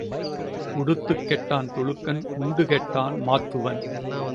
உடுத்துக் கெட்டான் துலுக்கன் உண்டு கெட்டான் மாத்துவன்.